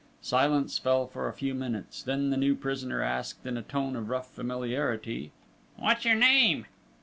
Silence fell for a few minutes, then the new prisoner asked, in a tone of rough familiarity: "What's your name?"